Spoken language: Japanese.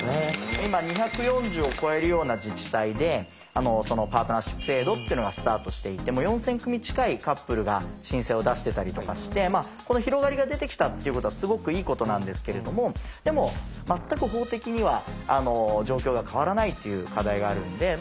今２４０を超えるような自治体でパートナーシップ制度っていうのがスタートしていてもう４，０００組近いカップルが申請を出してたりとかしてこの広がりが出てきたっていうことはすごくいいことなんですけれどもでも全く法的には状況が変わらないっていう課題があるんで。